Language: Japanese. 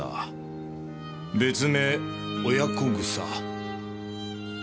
別名親子草。